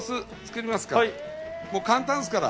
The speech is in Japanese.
簡単ですから。